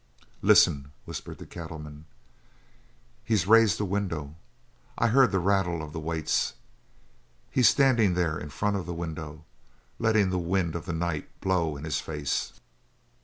"Listen!" whispered the cattleman. "He's raised the window. I heard the rattle of the weights. He's standing there in front of the window, letting the wind of the night blow in his face!"